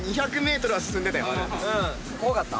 怖かった？